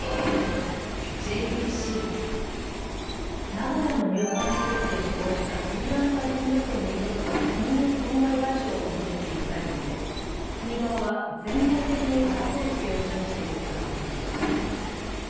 名古屋の入管施設で死亡したスリランカ人女性の遺族が国に損害賠償を求めている裁判で、国側は全面的に争う姿勢を示していることが分かりました。